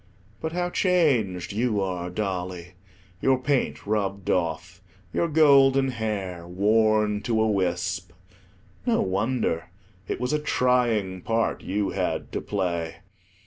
But how changed you are, Dolly: your paint rubbed off, your golden hair worn to a wisp. No wonder; it was a trying part you had to play.